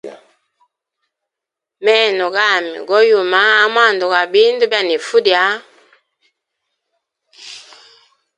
Meno gami go yuma amwanda gwa bindu bya nifa ulya.